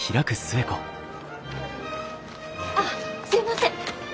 あっすみません！